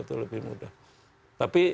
itu lebih mudah tapi